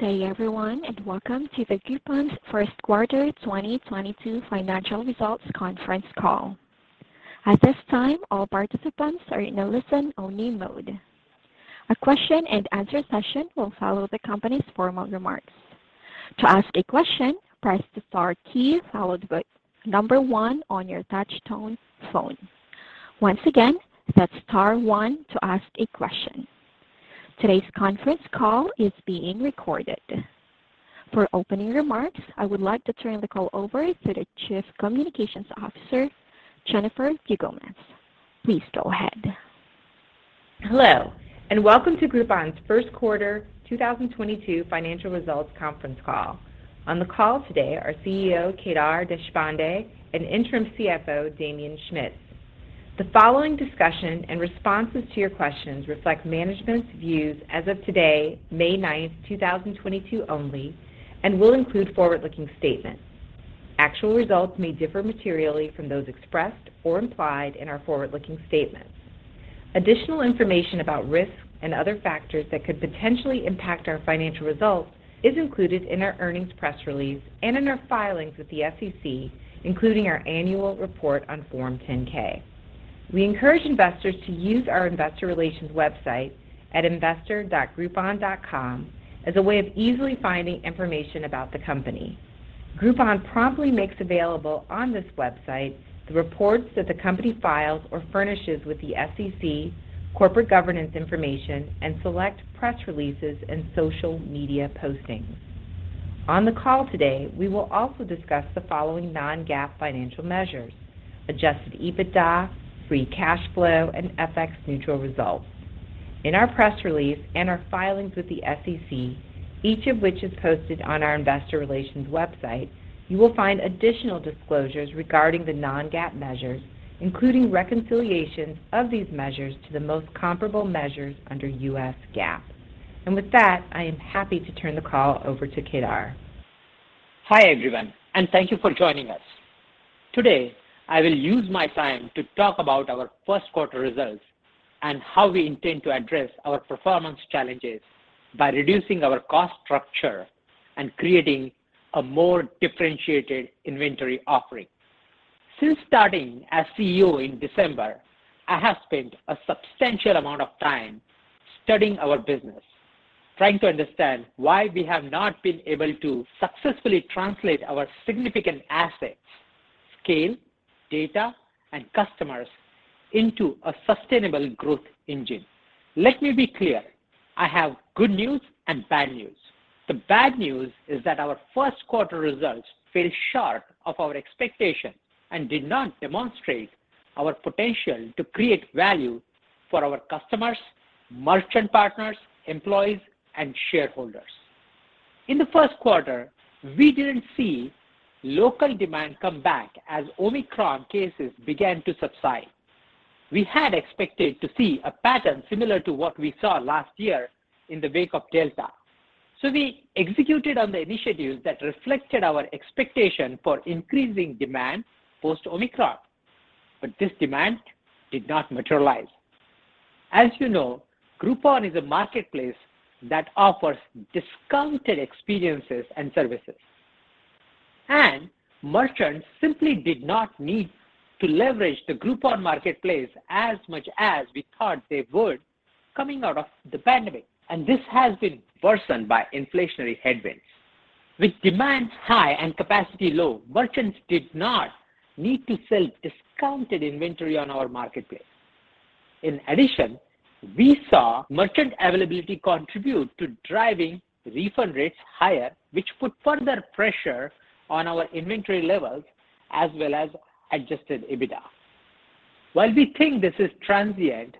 Good day everyone, and welcome to Groupon's first quarter 2022 financial results conference call. At this time, all participants are in a listen-only mode. A question and answer session will follow the company's formal remarks. To ask a question, press the star key followed by number one on your touch tone phone. Once again, that's star one to ask a question. Today's conference call is being recorded. For opening remarks, I would like to turn the call over to the Chief Communications Officer, Jennifer Beugelmans. Please go ahead. Hello, and welcome to Groupon's first quarter 2022 financial results conference call. On the call today are CEO Kedar Deshpande and Interim CFO Damien Schmitz. The following discussion and responses to your questions reflect management's views as of today, May 9, 2022 only, and will include forward-looking statements. Actual results may differ materially from those expressed or implied in our forward-looking statements. Additional information about risks and other factors that could potentially impact our financial results is included in our earnings press release and in our filings with the SEC, including our annual report on Form 10-K. We encourage investors to use our investor relations website at investor.groupon.com as a way of easily finding information about the company. Groupon promptly makes evailable on this website the reports that the company files or furnishes with the SEC corporate governance information and select press releases and social media postings. On the call today, we will also discuss the following non-GAAP financial measures, adjusted EBITDA, free cash flow, and FX-neutral results. In our press release and our filings with the SEC, each of which is posted on our investor relations website, you will find additional disclosures regarding the non-GAAP measures, including reconciliations of these measures to the most comparable measures under U.S. GAAP. With that, I am happy to turn the call over to Kedar. Hi, everyone, and thank you for joining us. Today, I will use my time to talk about our first quarter results and how we intend to address our performance challenges by reducing our cost structure and creating a more differentiated inventory offering. Since starting as CEO in December, I have spent a substantial amount of time studying our business, trying to understand why we have not been able to successfully translate our significant assets, scale, data, and customers into a sustainable growth engine. Let me be clear, I have good news and bad news. The bad news is that our first quarter results fell short of our expectation and did not demonstrate our potential to create value for our customers, merchant partners, employees, and shareholders. In the first quarter, we didn't see local demand come back as Omicron cases began to subside. We had expected to see a pattern similar to what we saw last year in the wake of Delta. We executed on the initiatives that reflected our expectation for increasing demand post Omicron, but this demand did not materialize. As you know, Groupon is a marketplace that offers discounted experiences and services, and merchants simply did not need to leverage the Groupon marketplace as much as we thought they would coming out of the pandemic, and this has been worsened by inflationary headwinds. With demand high and capacity low, merchants did not need to sell discounted inventory on our marketplace. In addition, we saw merchant availability contribute to driving refund rates higher, which put further pressure on our inventory levels as well as adjusted EBITDA. While we think this is transient,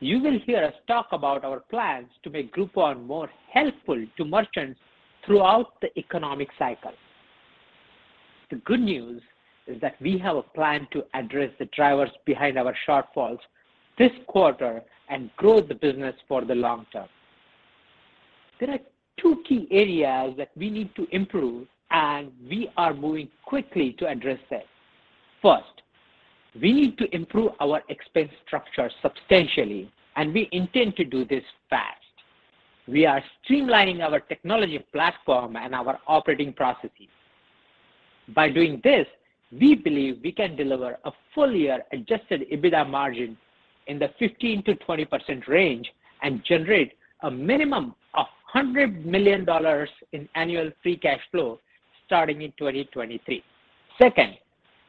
you will hear us talk about our plans to make Groupon more helpful to merchants throughout the economic cycle. The good news is that we have a plan to address the drivers behind our shortfalls this quarter and grow the business for the long term. There are two key areas that we need to improve, and we are moving quickly to address it. First, we need to improve our expense structure substantially, and we intend to do this fast. We are streamlining our technology platform and our operating processes. By doing this, we believe we can deliver a full-year adjusted EBITDA margin in the 15%-20% range and generate a minimum of $100 million in annual free cash flow starting in 2023. Second,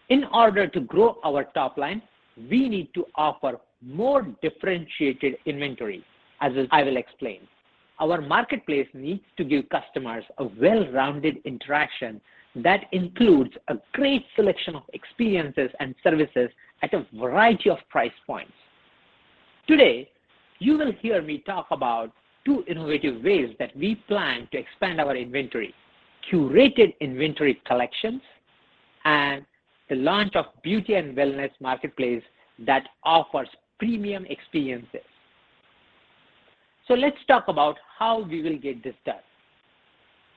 in order to grow our top line, we need to offer more differentiated inventory, as I will explain. Our marketplace needs to give customers a well-rounded interaction that includes a great selection of experiences and services at a variety of price points. Today, you will hear me talk about two innovative ways that we plan to expand our inventory, curated inventory collections and the launch of beauty and wellness marketplace that offers premium experiences. Let's talk about how we will get this done.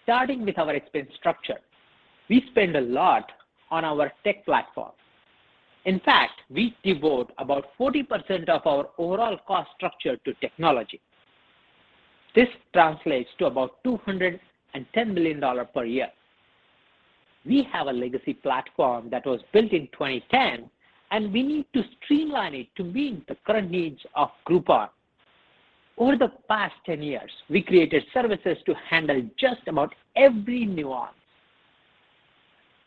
Starting with our expense structure, we spend a lot on our tech platform. In fact, we devote about 40% of our overall cost structure to technology. This translates to about $210 million per year. We have a legacy platform that was built in 2010, and we need to streamline it to meet the current needs of Groupon. Over the past 10 years, we created services to handle just about every nuance.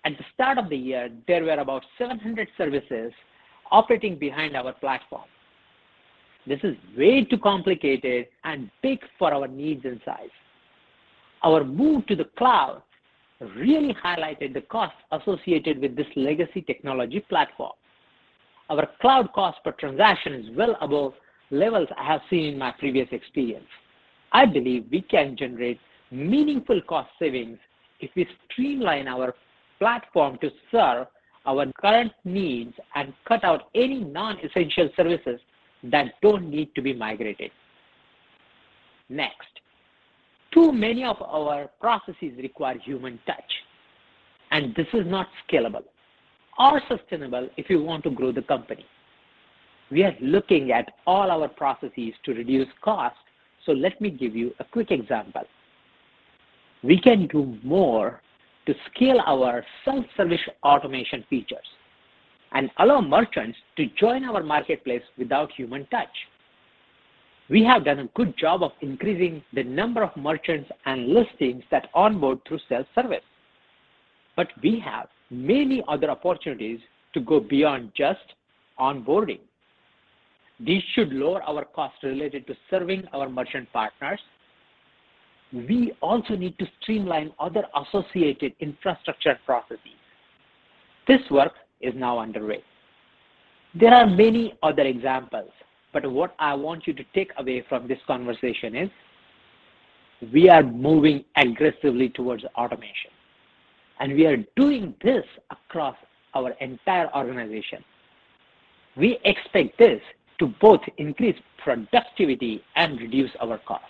At the start of the year, there were about 700 services operating behind our platform. This is way too complicated and big for our needs and size. Our move to the cloud really highlighted the costs associated with this legacy technology platform. Our cloud cost per transaction is well above levels I have seen in my previous experience. I believe we can generate meaningful cost savings if we streamline our platform to serve our current needs and cut out any non-essential services that don't need to be migrated. Next, too many of our processes require human touch, and this is not scalable or sustainable if we want to grow the company. We are looking at all our processes to reduce costs. Let me give you a quick example. We can do more to scale our self-service automation features and allow merchants to join our marketplace without human touch. We have done a good job of increasing the number of merchants and listings that onboard through self-service, but we have many other opportunities to go beyond just onboarding. This should lower our costs related to serving our merchant partners. We also need to streamline other associated infrastructure processes. This work is now underway. There are many other examples, but what I want you to take away from this conversation is we are moving aggressively toward automation, and we are doing this across our entire organization. We expect this to both increase productivity and reduce our cost.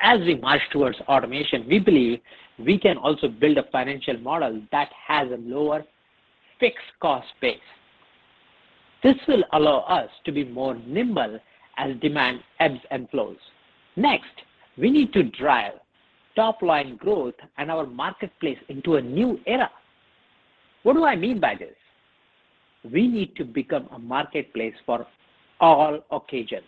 As we march toward automation, we believe we can also build a financial model that has a lower fixed cost base. This will allow us to be more nimble as demand ebbs and flows. Next, we need to drive top-line growth and our marketplace into a new era. What do I mean by this? We need to become a marketplace for all occasions.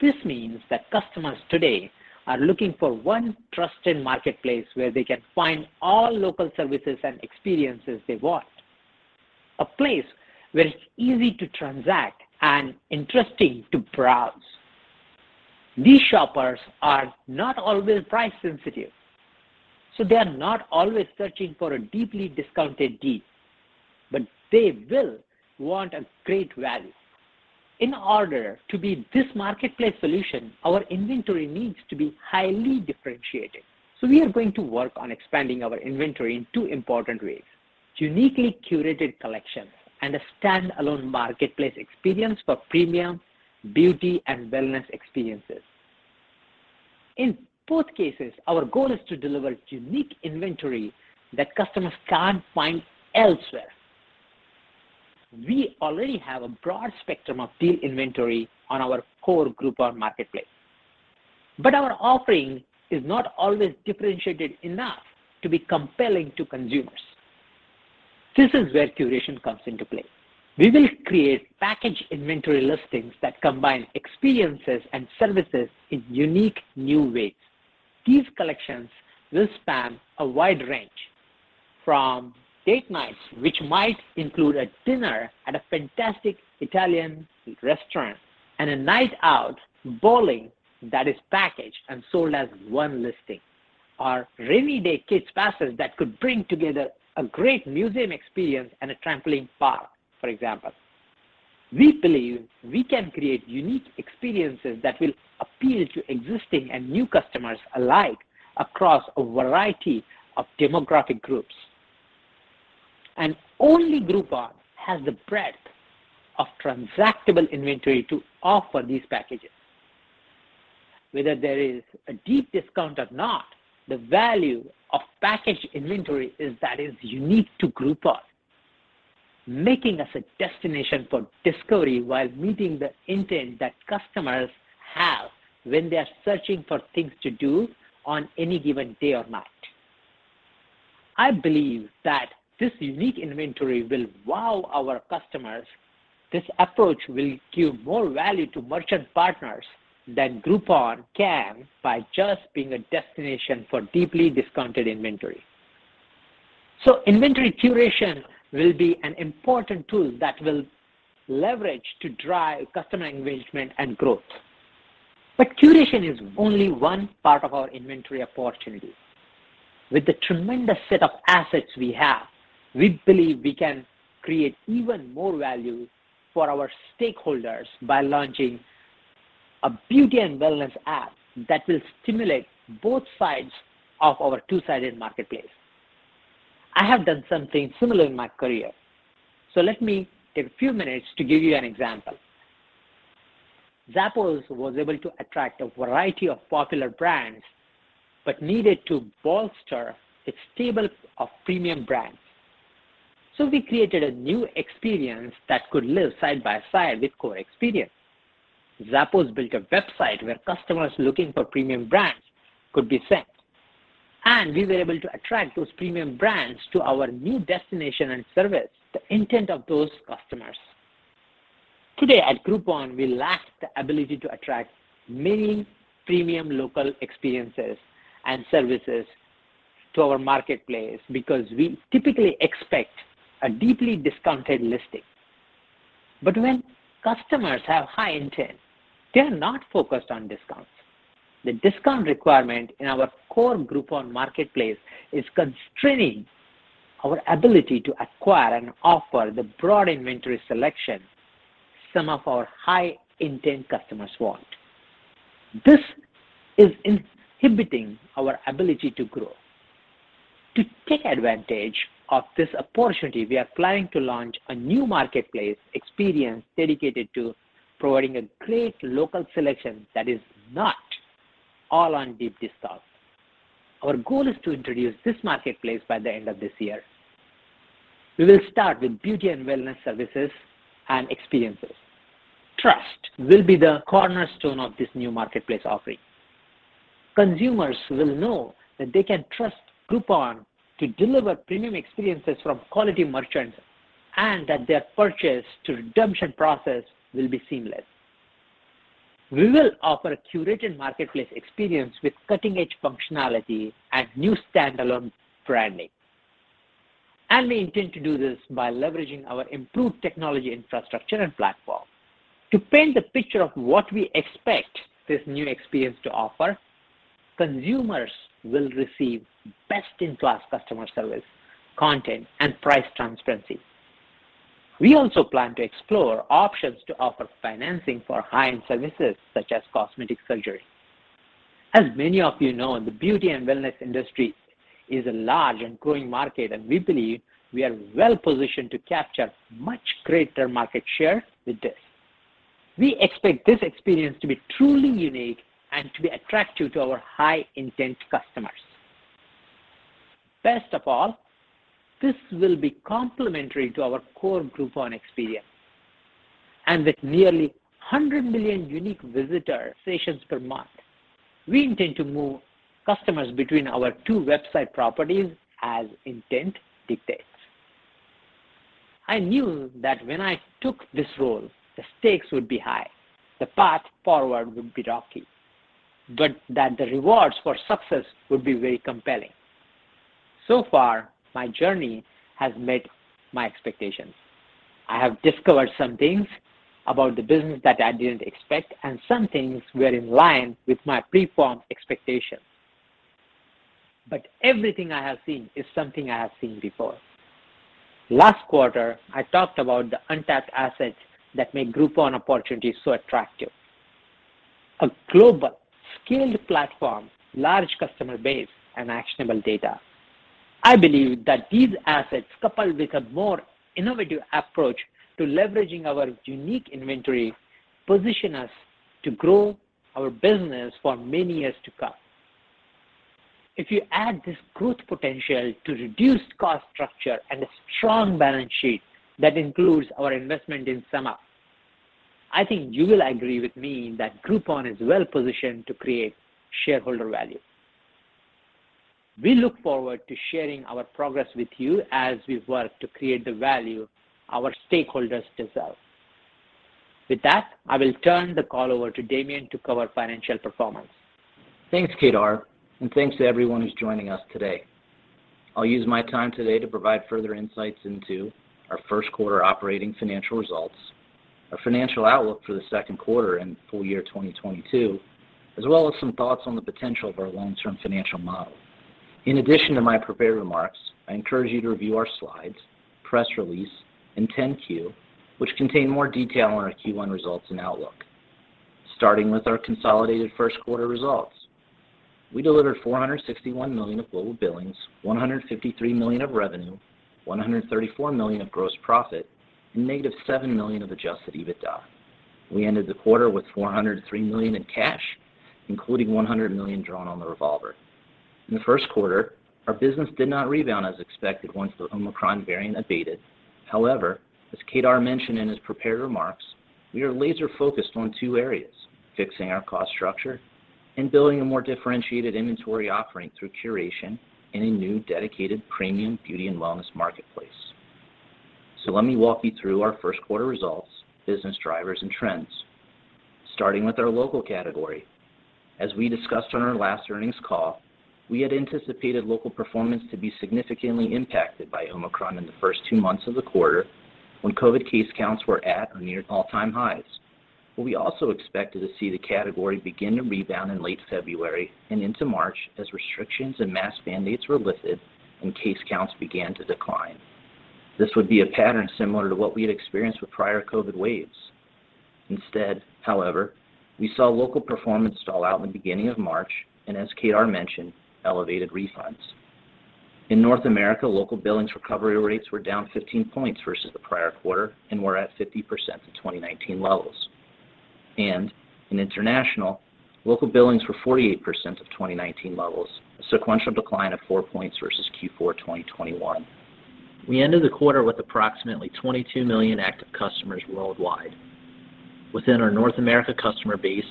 This means that customers today are looking for one trusted marketplace where they can find all local services and experiences they want. A place where it's easy to transact and interesting to browse. These shoppers are not always price sensitive, so they are not always searching for a deeply discounted deal, but they will want a great value. In order to be this marketplace solution, our inventory needs to be highly differentiated. We are going to work on expanding our inventory in two important ways. Uniquely curated collections, and a standalone marketplace experience for premium beauty and wellness experiences. In both cases, our goal is to deliver unique inventory that customers can't find elsewhere. We already have a broad spectrum of deal inventory on our core Groupon marketplace, but our offering is not always differentiated enough to be compelling to consumers. This is where curation comes into play. We will create package inventory listings that combine experiences and services in unique new ways. These collections will span a wide range from date nights, which might include a dinner at a fantastic Italian restaurant and a night out bowling that is packaged and sold as one listing, or rainy day kids passes that could bring together a great museum experience and a trampoline park, for example. We believe we can create unique experiences that will appeal to existing and new customers alike across a variety of demographic groups. Only Groupon has the breadth of transactable inventory to offer these packages. Whether there is a deep discount or not, the value of packaged inventory is that it's unique to Groupon, making us a destination for discovery while meeting the intent that customers have when they are searching for things to do on any given day or night. I believe that this unique inventory will wow our customers. This approach will give more value to merchant partners than Groupon can by just being a destination for deeply discounted inventory. Inventory curation will be an important tool that we'll leverage to drive customer engagement and growth. Curation is only one part of our inventory opportunity. With the tremendous set of assets we have, we believe we can create even more value for our stakeholders by launching a beauty and wellness app that will stimulate both sides of our two-sided marketplace. I have done something similar in my career. Let me take a few minutes to give you an example. Zappos was able to attract a variety of popular brands, but needed to bolster its stable of premium brands. We created a new experience that could live side by side with core experience. Zappos built a website where customers looking for premium brands could be sent, and we were able to attract those premium brands to our new destination and service the intent of those customers. Today at Groupon, we lack the ability to attract many premium local experiences and services to our marketplace because we typically expect a deeply discounted listing. When customers have high intent, they're not focused on discounts. The discount requirement in our core Groupon marketplace is constraining our ability to acquire and offer the broad inventory selection some of our high intent customers want. This is inhibiting our ability to grow. To take advantage of this opportunity, we are planning to launch a new marketplace experience dedicated to providing a great local selection that is not all on deep discounts. Our goal is to introduce this marketplace by the end of this year. We will start with beauty and wellness services and experiences. Trust will be the cornerstone of this new marketplace offering. Consumers will know that they can trust Groupon to deliver premium experiences from quality merchants and that their purchase to redemption process will be seamless. We will offer a curated marketplace experience with cutting-edge functionality and new standalone branding, and we intend to do this by leveraging our improved technology infrastructure and platform. To paint the picture of what we expect this new experience to offer, consumers will receive best in class customer service, content, and price transparency. We also plan to explore options to offer financing for high-end services such as cosmetic surgery. As many of you know, the beauty and wellness industry is a large and growing market, and we believe we are well positioned to capture much greater market share with this. We expect this experience to be truly unique and to be attractive to our high intent customers. Best of all, this will be complementary to our core Groupon experience. With nearly 100 million unique visitor sessions per month, we intend to move customers between our two website properties as intent dictates. I knew that when I took this role, the stakes would be high, the path forward would be rocky, but that the rewards for success would be very compelling. So far, my journey has met my expectations. I have discovered some things about the business that I didn't expect, and some things were in line with my preformed expectations. Everything I have seen is something I have seen before. Last quarter, I talked about the untapped assets that make Groupon opportunities so attractive, a global scaled platform, large customer base, and actionable data. I believe that these assets, coupled with a more innovative approach to leveraging our unique inventory, position us to grow our business for many years to come. If you add this growth potential to reduced cost structure and a strong balance sheet that includes our investment in SumUp, I think you will agree with me that Groupon is well positioned to create shareholder value. We look forward to sharing our progress with you as we work to create the value our stakeholders deserve. With that, I will turn the call over to Damien to cover financial performance. Thanks, Kedar, and thanks to everyone who's joining us today. I'll use my time today to provide further insights into our first quarter operating financial results, our financial outlook for the second quarter and full year 2022, as well as some thoughts on the potential of our long-term financial model. In addition to my prepared remarks, I encourage you to review our slides, press release, and 10-Q, which contain more detail on our Q1 results and outlook. Starting with our consolidated first quarter results. We delivered $461 million of global billings, $153 million of revenue, $134 million of gross profit, and -$7 million of adjusted EBITDA. We ended the quarter with $403 million in cash, including $100 million drawn on the revolver. In the first quarter, our business did not rebound as expected once the Omicron variant abated. However, as Kedar mentioned in his prepared remarks, we are laser focused on two areas, fixing our cost structure and building a more differentiated inventory offering through curation in a new dedicated premium beauty and wellness marketplace. Let me walk you through our first quarter results, business drivers, and trends, starting with our local category. As we discussed on our last earnings call, we had anticipated local performance to be significantly impacted by Omicron in the first two months of the quarter when COVID case counts were at or near all-time highs. We also expected to see the category begin to rebound in late February and into March as restrictions and mask mandates were lifted and case counts began to decline. This would be a pattern similar to what we had experienced with prior COVID waves. Instead, however, we saw local performance stall out in the beginning of March and as Kedar mentioned, elevated refunds. In North America, local billings recovery rates were down 15 points versus the prior quarter and were at 50% of 2019 levels. In international, local billings were 48% of 2019 levels, a sequential decline of 4 points versus Q4 2021. We ended the quarter with approximately 22 million active customers worldwide. Within our North America customer base,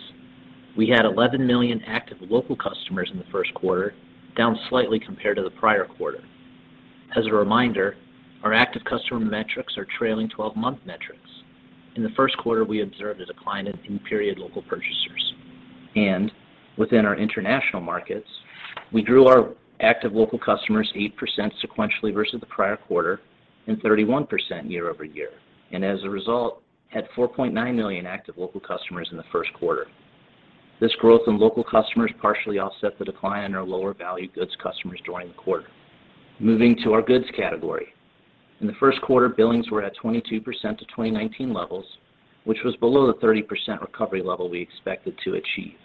we had 11 million active local customers in the first quarter, down slightly compared to the prior quarter. As a reminder, our active customer metrics are trailing 12-month metrics. In the first quarter, we observed a decline in in-period local purchasers. Within our international markets, we grew our active local customers 8% sequentially versus the prior quarter and 31% year-over-year, and as a result, had 4.9 million active local customers in the first quarter. This growth in local customers partially offset the decline in our lower value goods customers during the quarter. Moving to our goods category. In the first quarter, billings were at 22% to 2019 levels, which was below the 30% recovery level we expected to achieve.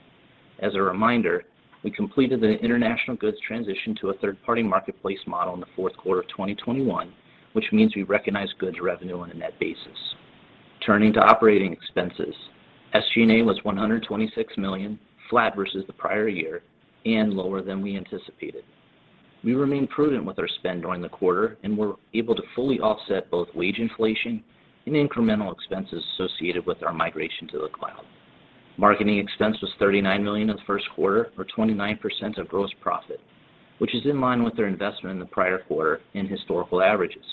As a reminder, we completed the international goods transition to a third-party marketplace model in the fourth quarter of 2021, which means we recognize goods revenue on a net basis. Turning to operating expenses. SG&A was $126 million, flat versus the prior year and lower than we anticipated. We remain prudent with our spend during the quarter and were able to fully offset both wage inflation and incremental expenses associated with our migration to the cloud. Marketing expense was $39 million in the first quarter or 29% of gross profit, which is in line with our investment in the prior quarter and historical averages.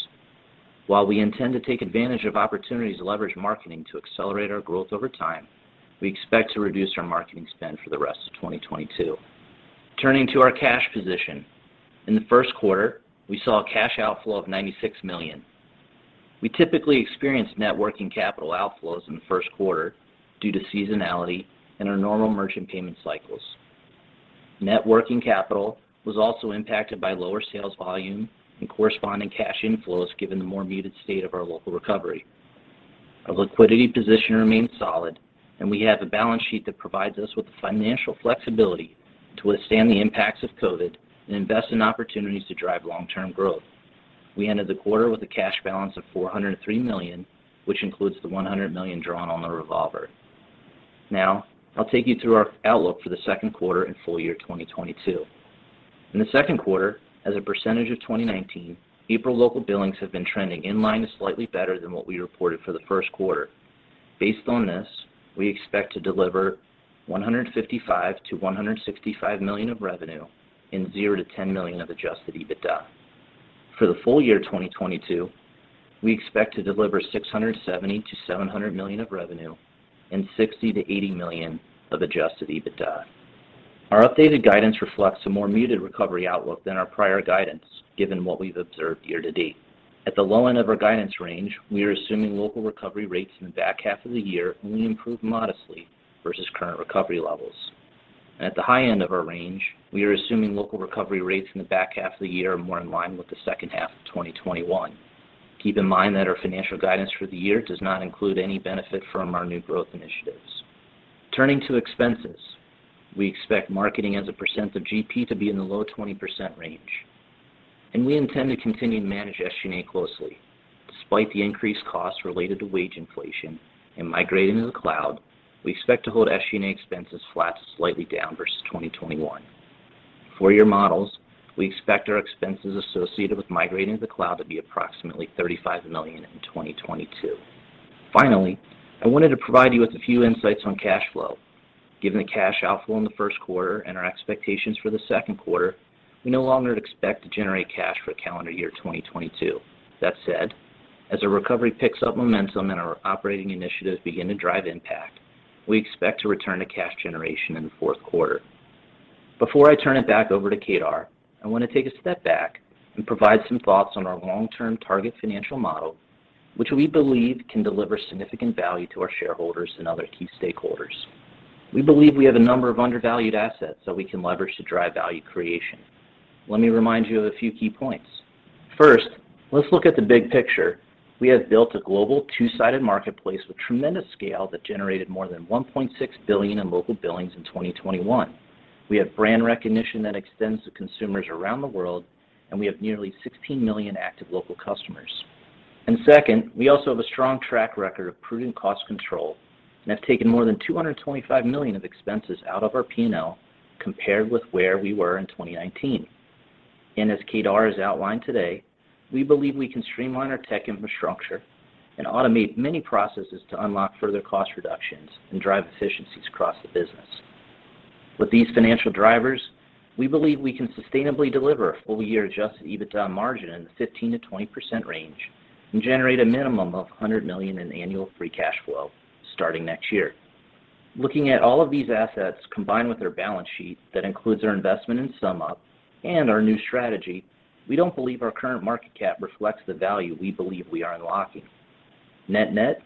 While we intend to take advantage of opportunities to leverage marketing to accelerate our growth over time, we expect to reduce our marketing spend for the rest of 2022. Turning to our cash position. In the first quarter, we saw a cash outflow of $96 million. We typically experience net working capital outflows in the first quarter due to seasonality and our normal merchant payment cycles. Net working capital was also impacted by lower sales volume and corresponding cash inflows given the more muted state of our local recovery. Our liquidity position remains solid, and we have a balance sheet that provides us with the financial flexibility to withstand the impacts of COVID and invest in opportunities to drive long-term growth. We ended the quarter with a cash balance of $403 million, which includes the $100 million drawn on the revolver. Now, I'll take you through our outlook for the second quarter and full year 2022. In the second quarter, as a percentage of 2019, April local billings have been trending in line to slightly better than what we reported for the first quarter. Based on this, we expect to deliver $155 million-$165 million of revenue and $0-$10 million of adjusted EBITDA. For the full year 2022, we expect to deliver $670 million-$700 million of revenue and $60 million-$80 million of adjusted EBITDA. Our updated guidance reflects a more muted recovery outlook than our prior guidance, given what we've observed year to date. At the low end of our guidance range, we are assuming local recovery rates in the back half of the year only improve modestly versus current recovery levels. At the high end of our range, we are assuming local recovery rates in the back half of the year are more in line with the second half of 2021. Keep in mind that our financial guidance for the year does not include any benefit from our new growth initiatives. Turning to expenses, we expect marketing as a percent of GP to be in the low 20% range, and we intend to continue to manage SG&A closely. Despite the increased costs related to wage inflation and migrating to the cloud, we expect to hold SG&A expenses flat to slightly down versus 2021. For your models, we expect our expenses associated with migrating to the cloud to be approximately $35 million in 2022. Finally, I wanted to provide you with a few insights on cash flow. Given the cash outflow in the first quarter and our expectations for the second quarter, we no longer expect to generate cash for calendar year 2022. That said, as the recovery picks up momentum and our operating initiatives begin to drive impact, we expect to return to cash generation in the fourth quarter. Before I turn it back over to Kedar, I want to take a step back and provide some thoughts on our long-term target financial model, which we believe can deliver significant value to our shareholders and other key stakeholders. We believe we have a number of undervalued assets that we can leverage to drive value creation. Let me remind you of a few key points. First, let's look at the big picture. We have built a global two-sided marketplace with tremendous scale that generated more than $1.6 billion in local billings in 2021. We have brand recognition that extends to consumers around the world, and we have nearly 16 million active local customers. Second, we also have a strong track record of prudent cost control and have taken more than $225 million of expenses out of our P&L compared with where we were in 2019. As Kedar has outlined today, we believe we can streamline our tech infrastructure and automate many processes to unlock further cost reductions and drive efficiencies across the business. With these financial drivers, we believe we can sustainably deliver a full-year adjusted EBITDA margin in the 15%-20% range and generate a minimum of $100 million in annual free cash flow starting next year. Looking at all of these assets combined with our balance sheet that includes our investment in SumUp and our new strategy, we don't believe our current market cap reflects the value we believe we are unlocking. Net-net,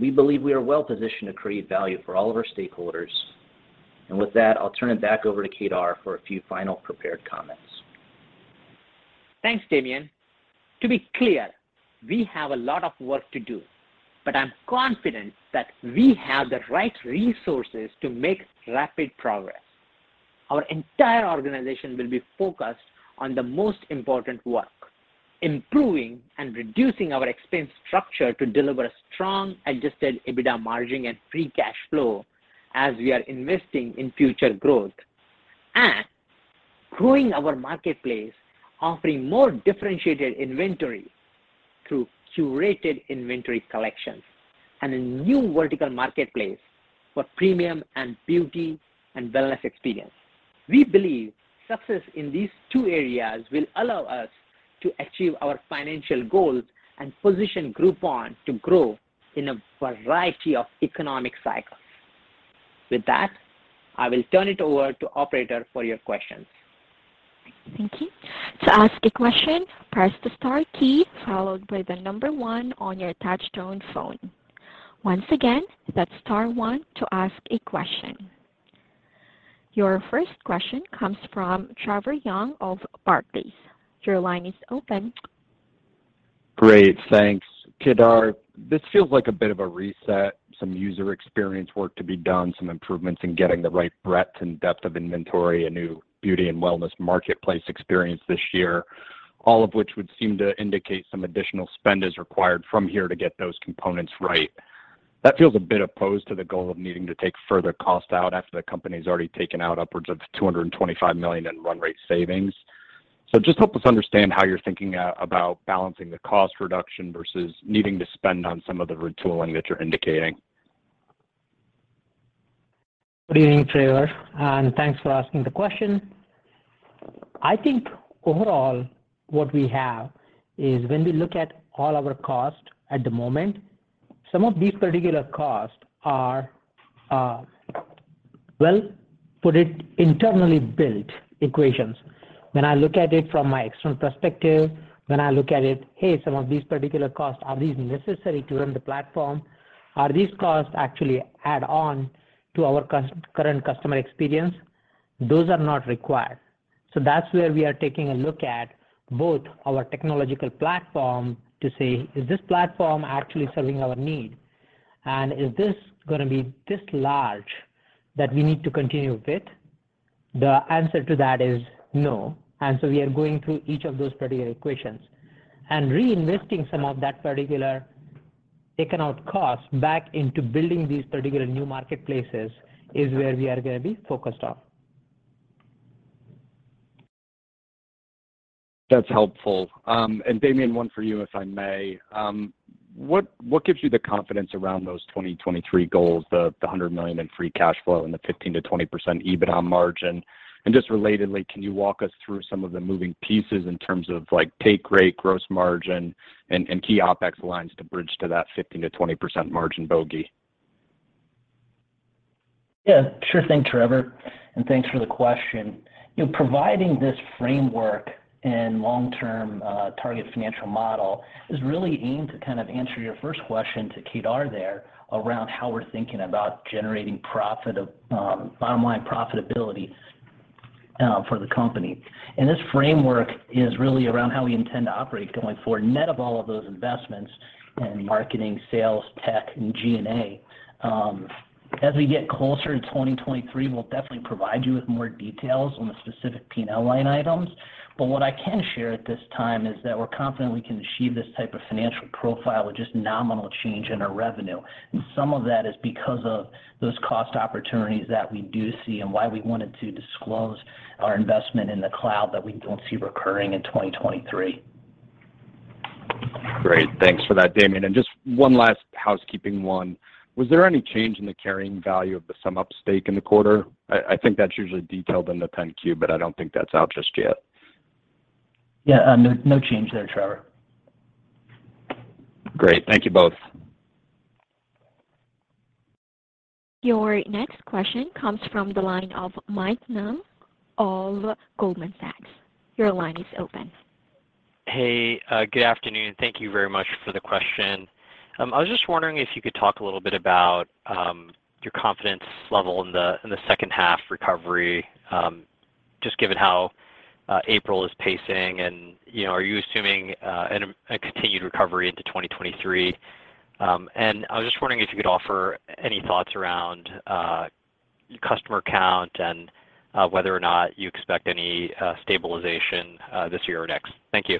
we believe we are well positioned to create value for all of our stakeholders. With that, I'll turn it back over to Kedar for a few final prepared comments. Thanks, Damien. To be clear, we have a lot of work to do, but I'm confident that we have the right resources to make rapid progress. Our entire organization will be focused on the most important work, improving and reducing our expense structure to deliver a strong adjusted EBITDA margin and free cash flow as we are investing in future growth and growing our marketplace, offering more differentiated inventory through curated inventory collections and a new vertical marketplace for premium and beauty and wellness experience. We believe success in these two areas will allow us to achieve our financial goals and position Groupon to grow in a variety of economic cycles. With that, I will turn it over to operator for your questions. Thank you. To ask a question, press the star key followed by the number one on your touchtone phone. Once again, that's star one to ask a question. Your first question comes from Trevor Young of Barclays. Your line is open. Great. Thanks. Kedar, this feels like a bit of a reset, some user experience work to be done, some improvements in getting the right breadth and depth of inventory, a new beauty and wellness marketplace experience this year. All of which would seem to indicate some additional spend is required from here to get those components right. That feels a bit opposed to the goal of needing to take further cost out after the company's already taken out upwards of $225 million in run rate savings. Just help us understand how you're thinking about balancing the cost reduction versus needing to spend on some of the retooling that you're indicating? Good evening, Trevor, and thanks for asking the question. I think overall what we have is when we look at all our costs at the moment, some of these particular costs are put in internally built equations. When I look at it from my external perspective, when I look at it, "Hey, some of these particular costs, are these necessary to run the platform? Are these costs actually add on to our current customer experience?" Those are not required. That's where we are taking a look at both our technological platform to say, "Is this platform actually serving our need? And is this gonna be this large that we need to continue with it?" The answer to that is no. We are going through each of those particular acquisitions and reinvesting some of that particular taken out cost back into building these particular new marketplaces is where we are gonna be focused on. That's helpful. Damien, one for you, if I may. What gives you the confidence around those 2023 goals, the $100 million in free cash flow and the 15%-20% EBITDA margin? Just relatedly, can you walk us through some of the moving pieces in terms of like take rate, gross margin and key OpEx lines to bridge to that 15%-20% margin bogey? Yeah, sure thing, Trevor, and thanks for the question. You know, providing this framework and long-term target financial model is really aimed to kind of answer your first question to Kedar there around how we're thinking about generating profit of, bottom line profitability, for the company. This framework is really around how we intend to operate going forward, net of all of those investments in marketing, sales, tech, and G&A. As we get closer to 2023, we'll definitely provide you with more details on the specific P&L line items. What I can share at this time is that we're confident we can achieve this type of financial profile with just nominal change in our revenue. Some of that is because of those cost opportunities that we do see and why we wanted to disclose our investment in the cloud that we don't see recurring in 2023. Great. Thanks for that, Damian. Just one last housekeeping one. Was there any change in the carrying value of the SumUp stake in the quarter? I think that's usually detailed in the 10-Q, but I don't think that's out just yet. Yeah, no change there, Trevor. Great. Thank you both. Your next question comes from the line of Mike Ng of Goldman Sachs. Your line is open. Hey, good afternoon. Thank you very much for the question. I was just wondering if you could talk a little bit about your confidence level in the second half recovery, just given how April is pacing and, you know, are you assuming a continued recovery into 2023? I was just wondering if you could offer any thoughts around customer count and whether or not you expect any stabilization this year or next. Thank you.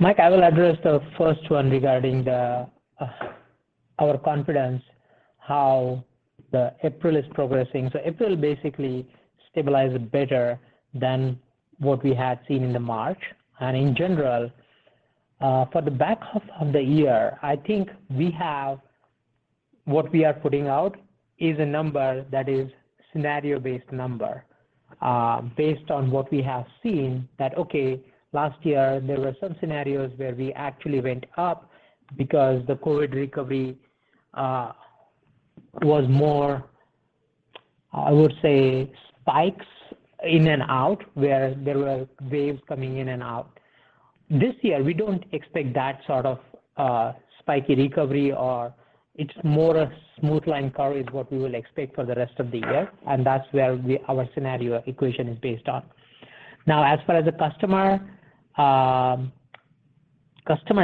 Mike, I will address the first one regarding our confidence, how April is progressing. April basically stabilized better than what we had seen in March. In general, for the back half of the year, I think what we are putting out is a number that is scenario-based number, based on what we have seen that, okay, last year there were some scenarios where we actually went up because the COVID recovery was more, I would say, spikes in and out, where there were waves coming in and out. This year, we don't expect that sort of spiky recovery or it's more a smooth line curve is what we will expect for the rest of the year, and that's where our scenario equation is based on. Now, as far as the customer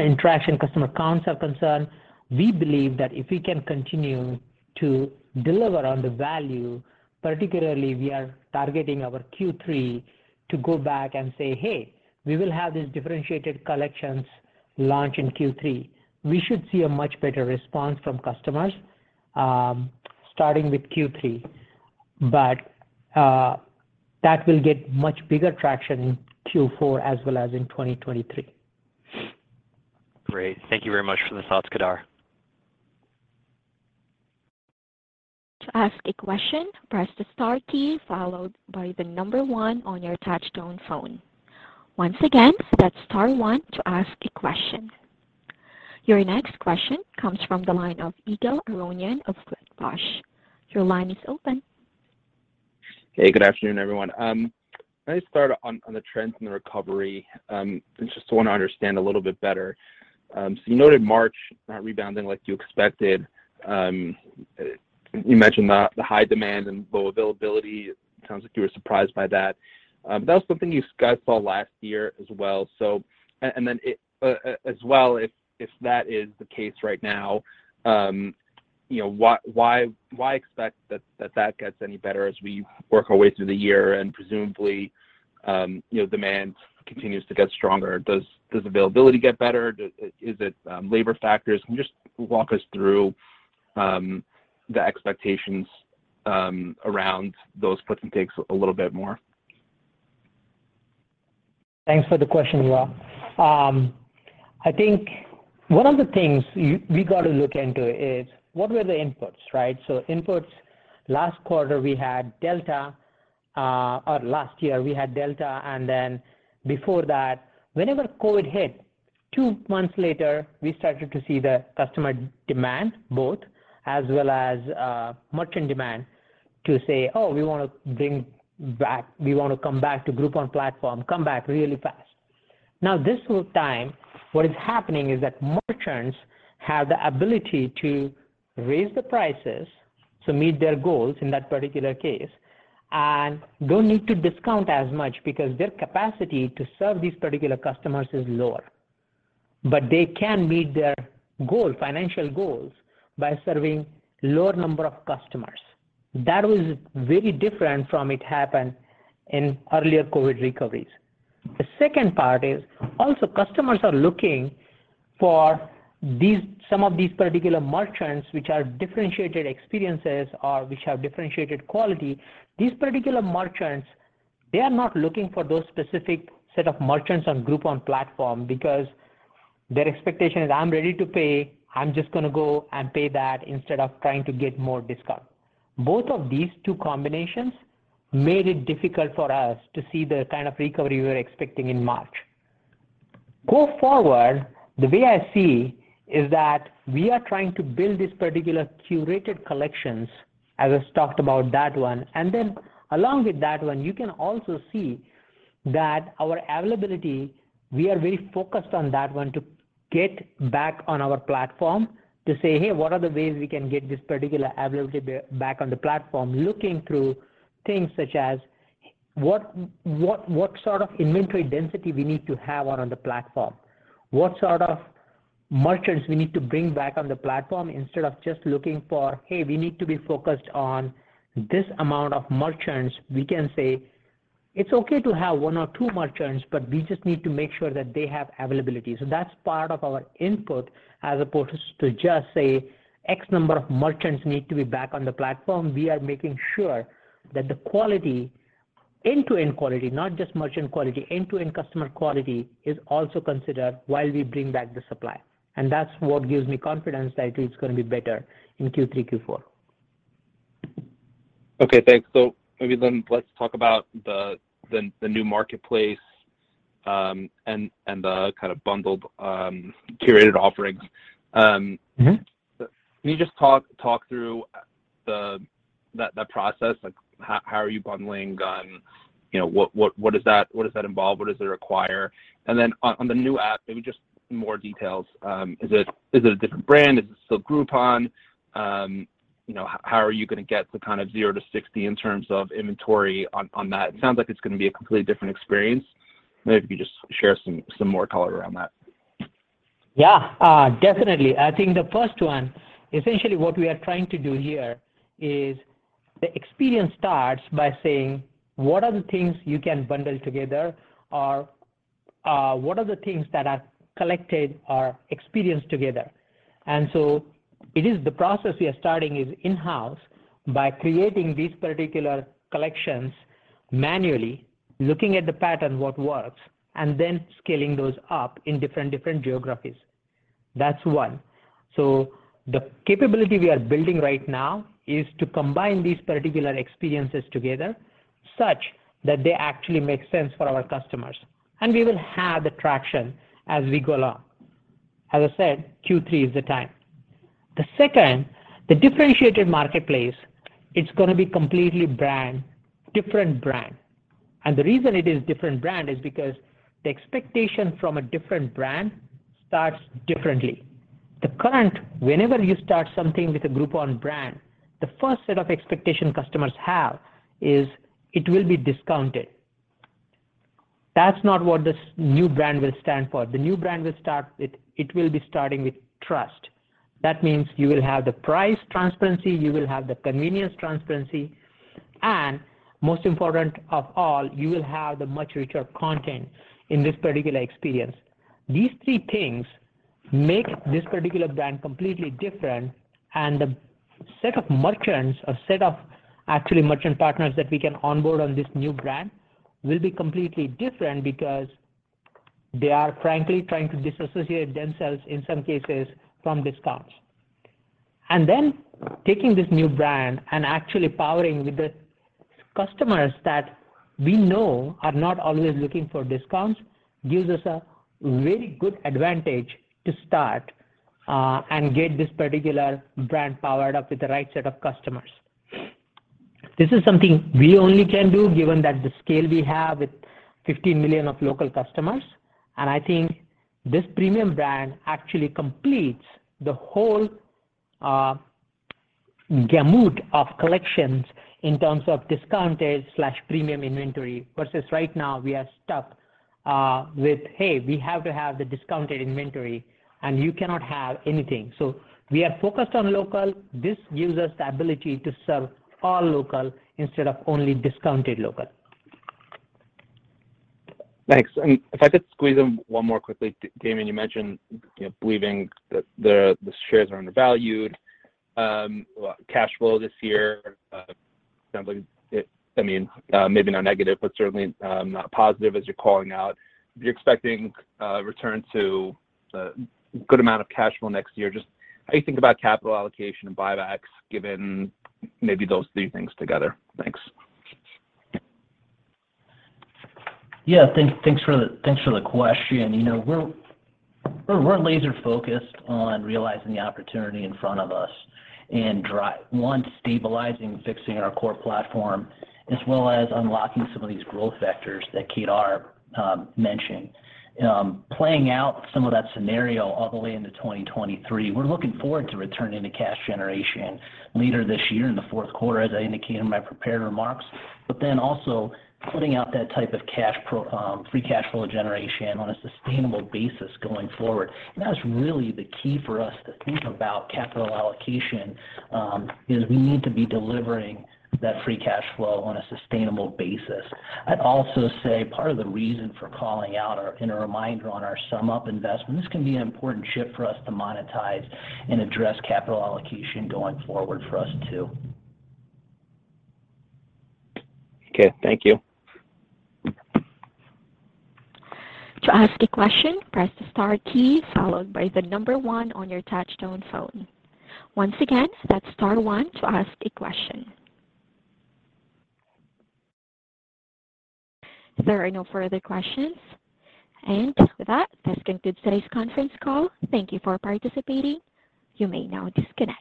interaction, customer counts are concerned, we believe that if we can continue to deliver on the value, particularly we are targeting our Q3 to go back and say, "Hey, we will have these differentiated collections launch in Q3," we should see a much better response from customers, starting with Q3. That will get much bigger traction in Q4 as well as in 2023. Great. Thank you very much for the thoughts, Kedar. To ask a question, press the star key followed by the number one on your touchtone phone. Once again, that's star one to ask a question. Your next question comes from the line of Ygal Arounian of Wedbush. Your line is open. Hey, good afternoon, everyone. Can I start on the trends in the recovery, just want to understand a little bit better. You noted March not rebounding like you expected. You mentioned the high demand and low availability. It sounds like you were surprised by that. That was something you guys saw last year as well. As well, if that is the case right now, you know, why expect that gets any better as we work our way through the year and presumably, you know, demand continues to get stronger? Does availability get better? Is it labor factors? Can you just walk us through the expectations around those puts and takes a little bit more? Thanks for the question, Ygal. I think one of the things we got to look into is what were the inputs, right? Inputs last quarter we had Delta, or last year we had Delta, and then before that, whenever COVID hit, two months later, we started to see the customer demand both as well as merchant demand to say, "Oh, we wanna come back to Groupon platform. Come back really fast." Now, this whole time, what is happening is that merchants have the ability to raise the prices to meet their goals in that particular case and don't need to discount as much because their capacity to serve these particular customers is lower. They can meet their goal, financial goals by serving lower number of customers. That was very different from it happened in earlier COVID recoveries. The second part is also customers are looking for these, some of these particular merchants which are differentiated experiences or which have differentiated quality. These particular merchants, they are not looking for those specific set of merchants on Groupon platform because their expectation is, "I'm ready to pay. I'm just gonna go and pay that instead of trying to get more discount." Both of these two combinations made it difficult for us to see the kind of recovery we were expecting in March. Going forward, the way I see is that we are trying to build this particular curated collections, as I talked about that one. along with that one, you can also see that our availability, we are very focused on that one to get back on our platform to say, "Hey, what are the ways we can get this particular availability back on the platform?" Looking through things such as what sort of inventory density we need to have on the platform? What sort of merchants we need to bring back on the platform instead of just looking for, "Hey, we need to be focused on this amount of merchants." We can say, "It's okay to have one or two merchants, but we just need to make sure that they have availability." That's part of our input as opposed to just say, "X number of merchants need to be back on the platform." We are making sure that the quality, end-to-end quality, not just merchant quality, end-to-end customer quality is also considered while we bring back the supply. That's what gives me confidence that it's gonna be better in Q3, Q4. Okay, thanks. Maybe let's talk about the new marketplace, and the kind of bundled, curated offerings. Mm-hmm. Can you just talk through that process? Like how are you bundling? You know, what does that involve? What does it require? Then on the new app, maybe just more details. Is it a different brand? Is it still Groupon? You know, how are you gonna get to kind of zero to sixty in terms of inventory on that? It sounds like it's gonna be a completely different experience. Maybe if you just share some more color around that. Yeah. Definitely. I think the first one, essentially what we are trying to do here is the experience starts by saying what are the things you can bundle together or, what are the things that are collected or experienced together. It is the process we are starting is in-house by creating these particular collections manually, looking at the pattern, what works, and then scaling those up in different geographies. That's one. The capability we are building right now is to combine these particular experiences together such that they actually make sense for our customers, and we will have the traction as we go along. As I said, Q3 is the time. The second, the differentiated marketplace, it's gonna be completely brand, different brand. The reason it is different brand is because the expectation from a different brand starts differently. Whenever you start something with a Groupon brand, the first set of expectations customers have is it will be discounted. That's not what this new brand will stand for. The new brand will start with trust. That means you will have the price transparency, you will have the convenience transparency, and most important of all, you will have the much richer content in this particular experience. These three things make this particular brand completely different. The set of merchants, a set of actually merchant partners that we can onboard on this new brand will be completely different because they are frankly trying to disassociate themselves, in some cases, from discounts. Taking this new brand and actually powering with the customers that we know are not always looking for discounts gives us a really good advantage to start, and get this particular brand powered up with the right set of customers. This is something we only can do given that the scale we have with 15 million of local customers. I think this premium brand actually completes the whole gamut of collections in terms of discounted/premium inventory. Versus right now, we are stuck with, "Hey, we have to have the discounted inventory, and you cannot have anything." We are focused on local. This gives us the ability to serve all local instead of only discounted local. Thanks. If I could squeeze in one more quickly. Damien, you mentioned, you know, believing that the shares are undervalued. Cash flow this year sounds like it. I mean, maybe not negative, but certainly not positive as you're calling out. You're expecting a return to a good amount of cash flow next year. Just how you think about capital allocation and buybacks given maybe those three things together? Thanks. Yeah. Thanks for the question. You know, we're laser-focused on realizing the opportunity in front of us and stabilizing, fixing our core platform, as well as unlocking some of these growth vectors that Kedar mentioned. Playing out some of that scenario all the way into 2023, we're looking forward to returning to cash generation later this year in the fourth quarter, as I indicated in my prepared remarks. Also putting out that type of free cash flow generation on a sustainable basis going forward. That's really the key for us to think about capital allocation, is we need to be delivering that free cash flow on a sustainable basis. I'd also say part of the reason for calling out and a reminder on our SumUp investment, this can be an important shift for us to monetize and address capital allocation going forward for us too. Okay. Thank you. To ask a question, press the star key followed by the number one on your touchtone phone. Once again, that's star one to ask a question. If there are no further questions. With that, this concludes today's conference call. Thank you for participating. You may now disconnect.